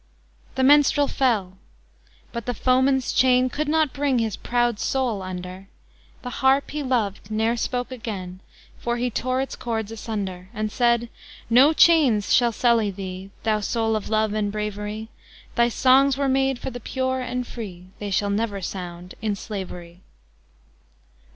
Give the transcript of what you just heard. The Minstrel fell! but the foeman's chain Could not bring his proud soul under; The harp he loved ne'er spoke again, For he tore its chords asunder; And said: "No chains shall sully thee, Thou soul of love and bravery! Thy songs were made for the pure and free, They shall never sound in slavery."